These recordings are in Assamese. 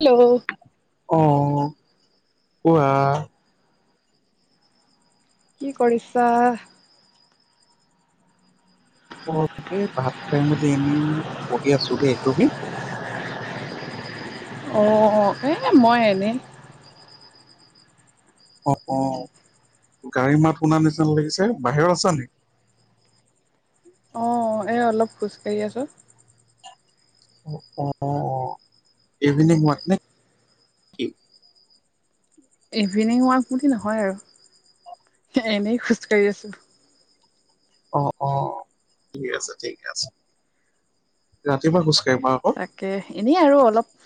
হেল্ল' অ' কোৱা। কি কৰিছা? ভাত খাই মেলি এনে। পঢ়ি আছো দেই তুমি। অ' অ' এই মই এনেই। অ' অ' গাড়ী মাত শুনা নিচিনা লাগিছে বাহিৰত আছা নেকি। অ' এ অলপ খোজ কঢ়ি আছো। অ' অ' ইভিনিং ওৱাক নে। ইভিনিং ৱাক বুলি নহয় আৰু এনেই খোজকাঢ়ি আছোঁ। অ' অ' ঠিক আছে, ঠিকে আছে, ৰাতিপুৱা খোজকাঢ়িবা আকৌ। তাকে এনেই আৰু অলপ।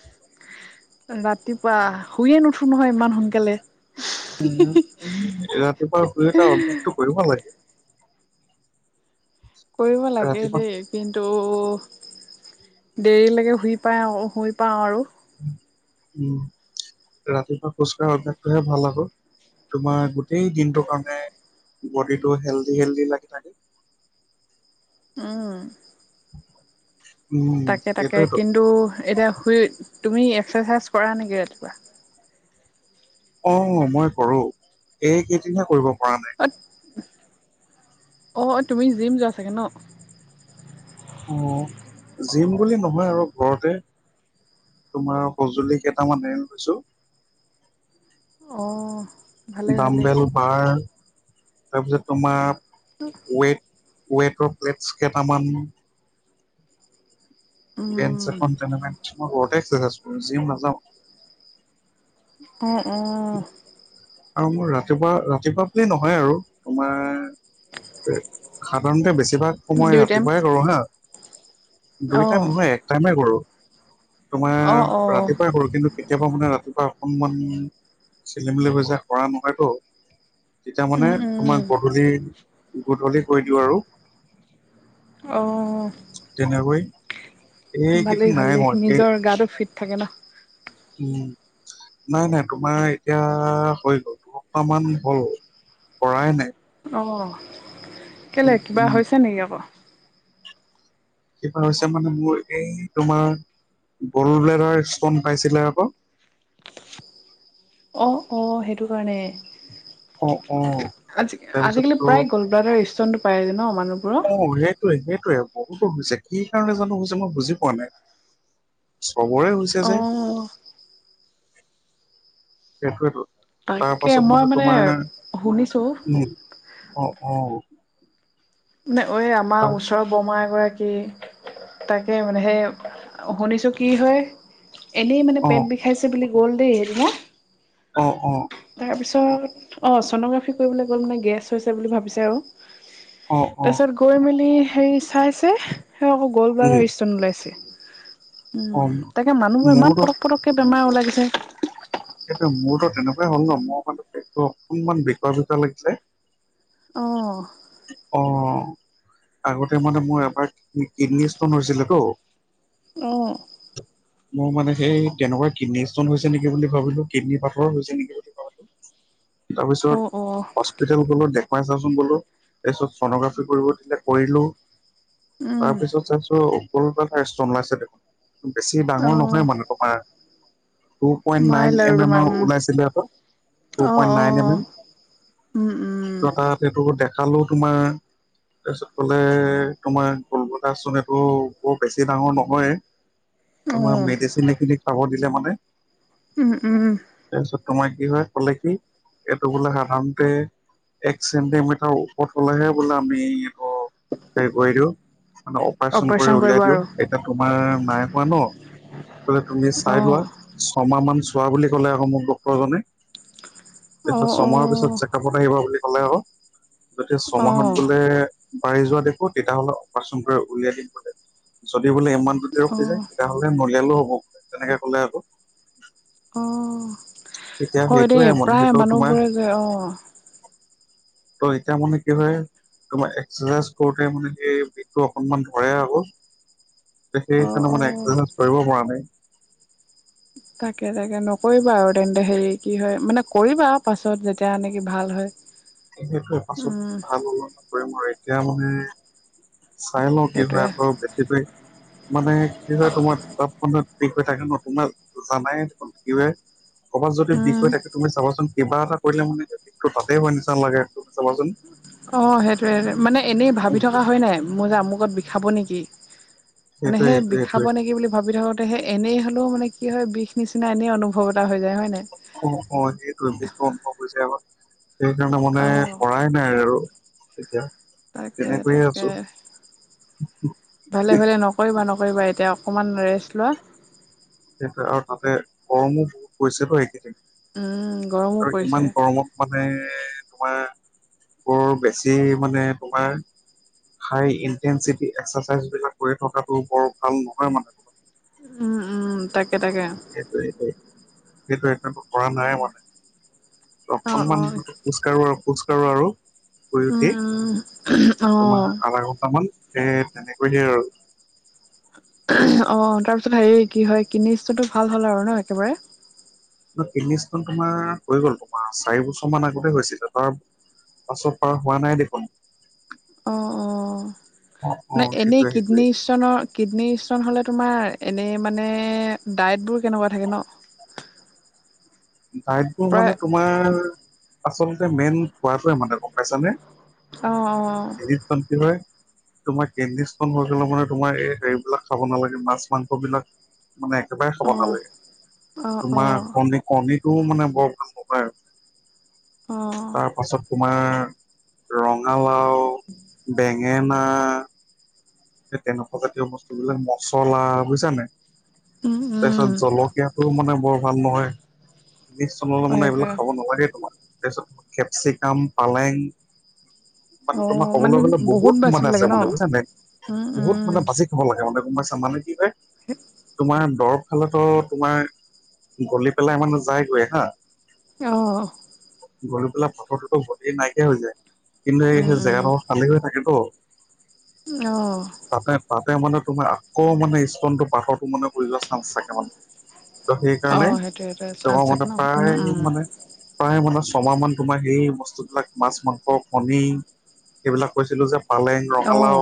ৰাতিপুৱা শুইয়ে নুঠো নহয় ইমান সোনকালে। উম, ৰাতিপুৱা শুই উঠা অভ্যাস টো কৰিব লাগে। কৰিব লাগে ৰাতিপুৱা দেই। কিন্তু, দেৰিলৈকে শুই পায় শুই পাওঁ আৰু। উম, ৰাতিপুৱা খোজ কঢ়া অভ্যাসটোহে ভাল আক। তোমাৰ গোটেই দিনটোৰ কাৰণে বডিটো হেল্ডি হেল্ডি লাগি থাকে। উম। উম। তাকে তাকে সেইটোয়েতো কিন্তু এতিয়া শুই তুমি এক্সাৰচাইজ কৰা নেকি ৰাতিপুৱা? অ' মই কৰো। এইকেইদিনহে কৰিব পৰা নাই। অ', অ' তুমি জিম যোৱা চাগৈ ন? অ' জিম বুলি নহয় আৰু ঘৰতে তোমাৰ সঁজুলি কেইটামান ৰেণ্ট লৈছো। অ'। ভালেই ভালেই দামবেল বাৰ তাৰপিছত তোমাৰ আৰু? ৱেইট ৱেইটৰ প্লেটছ কেইটামান। বেঞ্চ উম। এখন মে মই ঘৰতে এক্সাৰচাইজ কৰো, জিম নাযাওঁ। অ', অ। আৰু মোৰ ৰাতিপুৱা ৰাতিপুৱা বুলি নহয় আৰু তোমাৰ সাধাৰণতে বেছিভাগ সময় দুই টাইম ৰাতিপুৱাই কৰো হা দুই টাইম অঁ নহয় এক টাইমে কৰো, অঁ তোমাৰ অঁ ৰাতিপুৱাই সৰু কিন্তু কি কেতিয়াবা মানে ৰাতিপুৱা অকনমান খেলিমেলি গৈ যায় কৰা নহয়তো। তেতিয়া উম মানে উম তোমাক গধূলি গধূলি কৰি দিওঁ আৰু। অ'। তেনেকৈ। এইকেইদিন ভালেই নাই ভালেই হোৱা এই নিজৰ গাটো ফিট থাকে ন। উম। নাই নাই তোমাৰ এতিয়া হৈ গ'ল দুসপ্তাহ মান হ'ল কৰাই নাই। অ' উম কেলে কিবা উম হৈছে নেকি আকৌ? কিবা হৈছে মানে মোৰ এই তোমাৰ গল্ড ব্লেডাৰ ষ্টন পাইছিলে আকৌ। অ', অ' সেইটো কাৰণে, অ অ আজি তাৰপিছত আজিকালি এইটো প্ৰায় গ'ল ষ্টনটো পাই ন মানুহবোৰৰ। অ' সেইটোয়ে সেইটোয়ে বহুতো হৈছে, কি কাৰণে জানো হৈছে মই বুজি পোৱা নাই। চবৰে হৈছে যে, অঁ সেইটয়েতো। তাৰ তাকে পাছত মই মানে তোমাৰ শুনিছোঁ উম, অ', অ'। ন ঐ আমাৰ তাৰ ওচৰৰ বৰমা এগৰাকী কি তাকে মানে সেই শুনিছোঁ কি হয়। এনেই মানে অ পেট বিষাইছে বুলি গ'ল দেই সেইদিনা। অ', অ'। তাৰপিছত অ' ছনোগ্ৰাফি কৰিবলৈ গ'ল মানে গেছ হৈছে বুলি ভাবিছে আৰু। অ অ তাৰপিছত গৈ মেলি হেৰি চাইছে গল্ড উম ব্লাডাৰ ষ্টন ওলাইছে অ উ তাকে মানুহবোৰ ইমান মোৰোতো প পটকৈ বেমাৰ ওলাই গৈছে। সেইটোৱে মোৰতো তেনেকুৱাই হল ন মই মানোটো অকনমান বিষোয়া বিষোয়া লাগিছে। অ'। অ'। আগতে মানে মোৰ এবাৰ কিডনী ষ্টন হৈছিলে ত। অ'। মোৰ মানে সেই তেনেকুৱা কিডনী ষ্টন হৈছে নেকি বুলি ভো কিডনী পথৰ হৈছে নেকি বুলি তাৰপিছত অ অ হস্পিতালতে সমাইছাচোন বোলো তাৰপিছত চনোগ্ৰাফি কৰিব দিলে কৰিলো। উম তাৰপিছত চাইছো কল চষ্ট লাইছে দেখোন। বেছি অ ডাঙৰ নহয় মানে তোমাৰ two point nine mile M আৰু এমৰ মম ওলাইছিলে এটা টু অ', পইণ্ট নাইন এম এম অ'। উম, উম। সহেত দেখালেও তোমাৰ। তাৰপিছত কলে তোমাৰ গল্ড ব্লাডাৰ ষ্টন বৰ বেছি ডাঙৰ নহয়। অ তোমাৰ মেডিচিন এইখিনি খাব দিলে মানে। উম, উম। তাৰপিছত তোমাৰ কি হয় কলে কি এইটো বোলে সাধাৰণতে একচেণ্টেমিটাৰ বোলে আমি এইটো হেৰি কৰি দিও মানে, অপাৰেচন কৰি কৰিব উলিয়াই দিও, আৰু এতিয়া তোমাৰ নাই হোৱা ন কলে তুমি অ চাই লোৱা ছমাহ মান, চোৱা বুলি ক'লে আক মোক ডক্তৰজনে, এ অ অ ছমাহৰ পিছত খাব আহিবা বুলি ক'লে আৰু যতিয়া অ ছমাহত বোলে বাঢ়ি যোৱা দেখো তেতিয়াহ'লে অপাৰচন কৰি উলিয়াই দিম বোলে, যদি বোলে ইমান দুতে অ ৰখি যায় তেতিয়াহ'লে নুলিয়ালো হ'ব তেনেকে কলে আক অ', হয় সেইটোৱে দেই মানে প্ৰায় সেইটো তোমাৰ মানুহবোৰে যে অ', ত' এতিয়া মানে কি হয় তোমাৰ এক্সাৰচাইজ কৰোতে মানে, সেই বিধটো অকনমান ধৰেই হব অ সেইকাৰণে মানে অ এক্ৰচাইজ কৰিব পৰা নাই তাকে তাকে নকৰিবা, আৰু তেন্তে হেৰি কি হয় মানে, কৰিবা পাছত যেতিয়া ননেেকি ভাল হয় সেইটো এ পাছত উম ভাল হব, নকৰিম আৰু এতিয়া মানে চাই লওঁ কি সেইটোৱে হয়, আকৌ বেট মানে কি হয় তোমাৰ [unintelligible] থাকে নতুনবা জানাই দেোন থাকিবে ক'ৰবাত যদি বিষ উম হৈ থাকে, তুমি চাবাচোন কিবা এটা কৰিলে মানে, বিষটো তাতে হয় নিচিনা লাগে তুমি চাবাচোন অ', সেইটোয়ে মানে এনেই ভাবি থকা হয় নাই মোৰ যে আমুকত বিষাব নেকি মানে সেইটোৱে সেই সেইটোৱে বিষাব সেইটোৱে নেকি বুলি ভাবি থাকো সেই এনেই হ'লেও মানে, কি হয় বিষ নিচিনা এনেই অনুভৱ এটা হৈ যায় হয় ন নাই অ', অ', সেইটোোৱে বিশষটো অনুভৱ হৈছে আাৰ সেইকাৰণে মানে অ কৰা নাই নাই আৰু এতিয়া তাকে তেনেকৈয়ে তাকে আছো ভালে ভালে নকৰিবা নকৰিবা এতিয়া অকণমান ৰেষ্ট লোৱা সেই আৰু তাতে গৰমো বহুত পৰিছে বো এইকেইদিন উম গৰমো আৰু পৰিছে ইমান গৰমত মানে, তোমাৰ বৰ বেছি মানে তোমাৰ হাই ইনটেনচিটি এক্সাৰচাইজ বিলাক কৰি থকাাতটো বৰ ভাল নহয় মানে উম, উম, তাকে তাকে সেইটোটোৱ সেইটো এো কৰা নাই মানে ত অ অ অকনমান খোজ কঢ়ো আৰু, খোজ কাঢ়ো আৰু শু উম উঠি উম তোমাৰ অ আধা ঘন্টামান এে তেনেকৈ হে আৰু অ', তাৰপিছত হেৰি কি হয় কিনিছোো ভাল হ'ল আৰু ন একেবাৰে কিডনী ষ্টোন তোমাৰ হৈ গ'ল তোমাৰ চাৰি বছৰ মান আগতে হৈছিলে তাৰ পাছৰ পৰা হোৱা নাই দেখোন অ', অ', নে অ', এনেই সেইটোয়ে সেইটোয়ে কিডনী ষ্টনৰ কিডনী ষ্টন হ'লে তোমাৰ এনেই মানে ডায়েটবোৰ কেনেকুৱা থাকে ন ডাইটবোৰ মানে প্ৰায় তোমাৰ আচলতে মেইন খোৱাটোৱে মানে গম পাইছানে অ', অ', এৰিত চ কি হয় তোমাৰ কেিন হৈ গলে মানে তোমাৰ এই হেৰিবলাক খাব নালাগে মাছ মাংস বিলাক মানে একেবাৰে অ খব নালাগে অ অ অ তোমাৰ কণীটোও মানে বৰ ভাল ন পায় অ তাৰ পাছত তোমাৰ ৰঙালাও, বেঙেনা এই তেনেকুৱা জাতীয় বস্তুবিলাক মচলা বুইছানাই উম তাৰ পিছত উম জলকীয়া টো মানে বৰ ভাল নহয় চলে অ মানে সেইটোৱে এইবিলাক খাব নোৱাৰি তোমাৰ তাৰপিছত কেপচিকাম পালেং অ মানে তোমাৰ মানে ক'বলৈ গ'লে বহুত বাচিব মানে লাগে আছে ন মানে বুইছা নাই উম বহুত উম মানে বাচি খাব লাগে মানে গম পাইছা মানে কি হয় তোমাৰ দৰৱ খালেটো তোমাৰ গলি পেলাই মানে যায়গৈ হা অ', গলি পেলাই পাথৰটোতো বতি নাইকিয়া হৈ যায় কিন্তু এই উম সেই জেগাটো উম খালী হৈ থাকেতো অ তাতে তাতে মানে তোমাৰ আকৌ মানে স্কনটো পথৰটো মানে যোৱা চান্স থাকে মানে ত অ সেইকাৰণে সেইটো সেইটোৱে চান্স তেওঁৰ থাকে মতে ন উম প্ৰায় উম মানে প্ৰায় মানে ছমাহ মান তোমাৰ সেই বস্তুবিলাক মাছ মাংস কণী সেইবিলাক কৈছিলো যে পালেং অ ৰঙালাও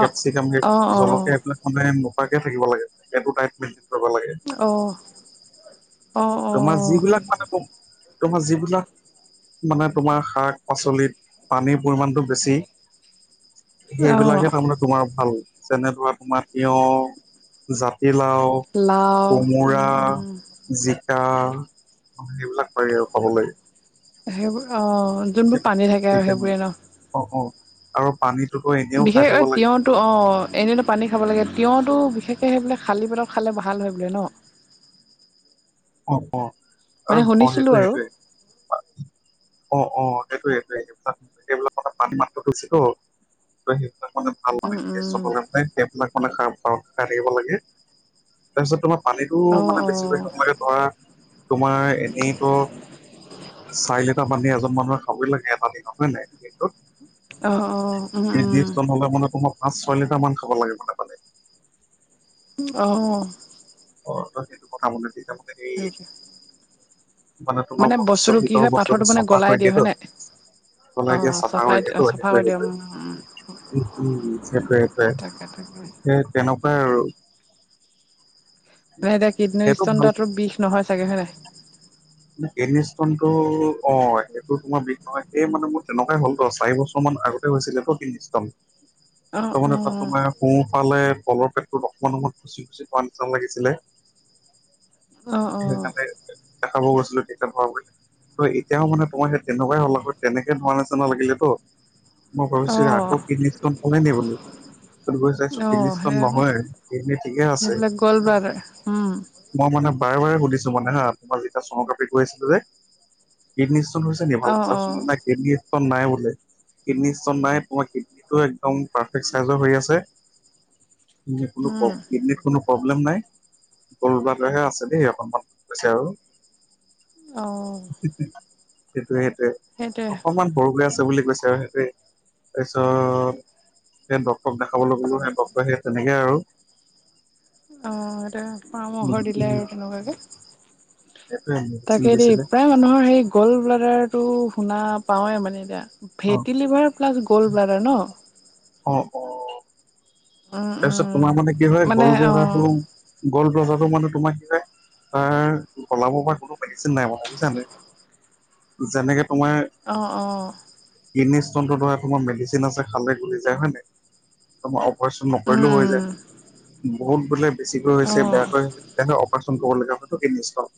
অ কেপচিকাম অ অ জলকীয়া এইবিলাক মানে নোখোৱাকে থাকিব লাগে [unintelligible] অ অ [unintelligible] তোমাৰ অ যিবিলাক মানে কম তোমাৰ যিবিলাক মানে তোমাৰ শাক পাচলিত পানীৰ পৰিমাণতটো বেছি সেইবিলাকে হে অ', তাৰমানে তোমাৰ ভাল যেনে ধৰা তোমাৰ তিয়হ জাতিলাও লাও কোমোৰা উম, উম, জিকা সেইবিলাক পাৰি আৰু খাবলৈ সেইবোৰ অ [unintelligible] যোনবোৰ পানী থাকে আৰু মানে সেইবোৰে ন। অ অ আৰু পানীটোতো এনেও খাই থাকিব বিশেষকৈ লাগে তিয়হ তো অ এনেইও তো পানী খাব লাগে তিয়ঁতটো বিশেষকে সেই বোলে খালী পেটত খালে ভাল হয় বোলে ন অ অ মানে আৰু অ শুনিছিলোঁ সেইটোয় আৰু সেইটোয়ে অ অ সেইটোয়েই সেইটোয়েই এই সেইবিলাক কথা পানী মাত্ৰাটো বেছিটো সেইবিলাক মানে ভাল মানে উম, কি উম, মানে সেইবিলাক মানে খাই থাকিব লাগে তাৰপিছত তোমাৰ পানীতটো অ', মানে বেছিকৈ অ', সময়তে ধৰা তোমাৰ এনেইতো চাৰি লিটাৰ পানী এজন মানুহে খাবই লাগে এটা দিনত হয় নে নাই দিনটোত অ', অ', উম, এই উম, [unintelligible] নহলে মানে তোমাৰ পাঁচ ছয় লিটাৰ মান খাব লাগে মানে পানী। অ অ তই সেইটো কথা মান দি যাবে এই সেইটোৱে। মানে তোমাৰ বস্তুটো কি ছবিতৰ হয় পাথৰটো বস্তুটো মানে চফা গলাই কৰিৈ দিয়ে দিলো হয় নাই অ', চফা চফাই কৰি দিয়েটো চফা সেইটোৱে কৰি দিয়ে উম, উম। সেইটোৱে উ উম সেইটোৱে সেইটোৱে তাকে তাকে সেই তেনেকুৱাই আৰু নাই এতিয়া কিডনী সেইটো ষ্ট'ন ভাল তাতো বিষ নহয় চাগে হয়‌ নে নাই কিডনী ষ্টনটো অ এইটো তোমাৰ বিষ নহয় এই মানে মোৰ তেনেকুৱাই হ'ল তো চাৰি বছৰ মান আগত হৈছিলে প্ৰকষ্টম অ', ত মান তাত অ', তোমাৰ সোঁফালে তলৰ পেটটোত অকণমান সময়ত খুচি খুচি থোৱাৰ নিচিনা লাগিছিলে অ অ খাব গৈছিলো তেতিয়া পোৱালে এতিয়াও মানে তোমাৰ সেই তেনেকুৱাই হল তেনেকে ধৰা নিচিনা লাগিলে তো মই অ', ভাবিছো অ'। আকৌ কিডনী ষ্টন হ'লে নেকি বুলি তাত গৈ চাইছো অ', কিডনী ষ্টন সেই আকৌ নহয় কিডনী ঠিকে আছে এইবিলাক গ'ল ব্লাডাৰ উম, মই মানে বাৰে বাৰে সুধিছো মানে হা তোমাৰ যেতিয়া চনোগ্ৰাফি কৰিছিল যে কিডনী ষ্টন হৈছে নে ভালকৈ অ', চাওকচোন অ', নাই কিডনী ষ্টন নাই বোলে কিডনী ষ্টন নাই তোমাৰ কিডনীটো একদম পাৰফেক্ট চাইজৰ হৈ আছে [unintelligible] বোলো উম, কিডনী কোনো প্ৰব্লেম নাই [unintelligible] আছে দেই অকনমান কৈছে আৰু অ সেইটোয়ে সেইটোয়ে সেইটোৱে অকণমান সৰু বুলি আছে বুলি কৈছে আৰু সেইটোৱে তাৰপিছত দেন ডক্তৰক দেখাবলৈ গ'লো সেই ডক্তৰ সে তেনেকে আৰু অ তেওঁ উম পৰামৰ্শ দিলে উম আৰু তেনেকুৱাকে সেইটোৱে মেডিচিন তাকে দেই দিছিলে প্ৰায় মানুহৰ সেই গোল ব্লাডাৰটো শুনা পাওঁৱে মানে এতিয়া অ fatty liver plus gall bladder ন অ অ উম, তাৰপিছত উম, তোমাৰ মানে কি হয় মানে গ'ল অ', ব্লডাৰটো গ'ল ব্লডাৰটো মানে তোমাৰ কি হয় তাৰ গলাব পা কোনো মেডিচিন নাই বুজিছা নে যেনেকে তোমাৰ অ অ কিডনী ষ্টোনটো ধৰা তোমাৰ মেডিচিন আছে খালে গলি যায় হয় নে তোমাৰ অপাৰেশ্যন উম, কৰিলেও হৈ উম, যায় বহুত বোলে বেছিকৈ হৈছে অ', বেয়াকৈ হৈছে তেতিয়াহে অপাৰেচন কৰিব লগা হয়তটো কিডনী ষ্টোন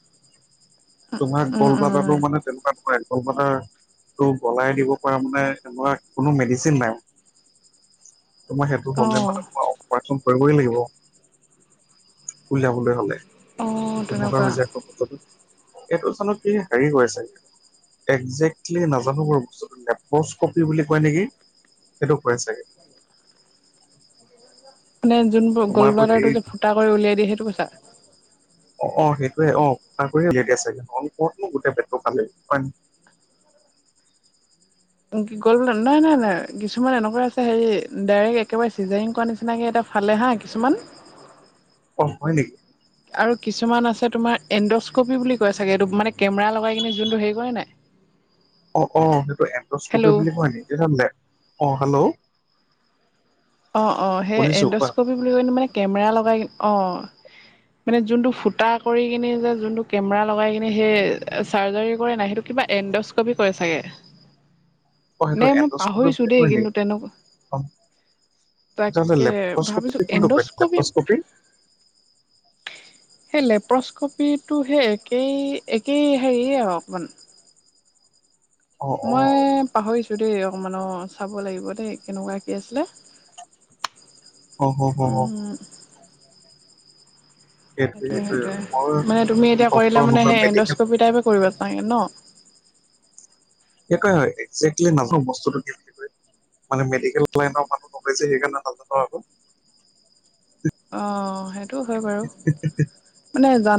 তোমাৰ উম, গল উম, ব্লাডাৰটো মানে তেনেকুৱা নহয় আৰু গল ব্লাডাৰটো গলাই দিব পৰা মানো কোনো মেডিচিন নাই [inaudible] তোমাৰ সেইটো হলে অ', মানে তোমাৰ অপাৰেচন কৰিবই লাগিব উলিয়াবলৈ হলে তেনেকুৱা হৈছে অ অ এইটো স্থানত কি হেৰি হৈ আছে এতিয়া একজেক্টলি নাজানো বাৰু বস্তু লেপস্কপি বুলি কয় নেকি সেইটো কৰে চাগে মানে যোনবোৰ গল তোমাৰতো এই ব্লাডাৰটো যে ফুটা কৰি উলিয়াই দিয়ে সেইটো কৈছা অ অ সেইটোৱে অ ফুটা কৰি উলিয়াই দিয়ে চাগে নহলে কত ন গোটেই পেটটো ফালে গ'ল নাই নাই নাই কিছুমান এনেকুৱা আছে হেৰি ডাইৰেক্ একেবাৰে চিজাৰিং কৰা নিচি সেনেকৈ এটা ফালে হাঁ কিছুমান অ হয় নেকি আৰু কিছুমান আছে তোমাৰ এণ্ডস্কপি বুলি কয় চাগে এইটো মানে কেমেৰা লগাই কিনে যোনটো হেৰি কৰে নাই [inaudible] অ অ সেইটো এণ্ডস্কপী হেল্ল' বুলি কয় নি তেতিয়া হলে অ হেল্ল অঁ অঁ সেই শুনিছো কোৱা এণ্ডস্কপি বুলি কলে মানে কেমেৰা লগাই অঁ মানে যোনটো ফুটা কৰি কিনে যে যোনটো কেমেৰা লগাই কিনে সেই চাৰ্জাৰী কৰে নাই সেইটো কিবা এণ্ডস্কপি কয় চাগে অ নে সেইতো মই এণ্ডস্কোপি পাহৰিছোঁ বুলি দেই কয় নি কিন্তু তেনেকুৱা অ তেতিয়া হলে তাকে লেপ্ৰস্কপি ভাবিছোঁ কোনটো কয় এণ্ডস্কপি লেপ্ৰস্কপি সেই লেপ্ৰস্কপিটোহে একেই একেই হেৰি আৰু অকণমান অ অ মই পাহৰিছো দেই অকমানো চাব লাগিব দেই কেনেকুৱা কি আছিলে অ অ হ হ উম, সেইটোৱে সেইটোৱে মানে তুমি এতিয়া ডক্তৰ কৰিলে মানে নহয় সেই মেডিকেল এণ্ডস্কপি টাইপে কৰিবা চাগে ন সেইটোৱে হয় একজেক্টলি নাজানো বস্তুতটো কি বুলি কয় মানে মেডিকেল লাইনৰ মানুহ লগাইছে সেইকাৰণে ভাল আ অ সেইটো হয় বাৰু মানে জান